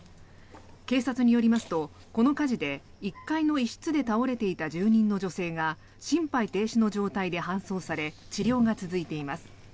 警察によりますと、この火事で１階の一室で倒れていた住人の女性が心肺停止の状態で搬送され治療が続いています。